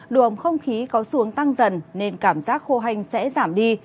đùm không khí có xuống tăng dần nên cảm giác khô hành sẽ giảm đi